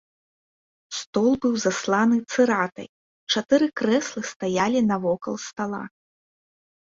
Стол быў засланы цыратай, чатыры крэслы стаялі навокал стала.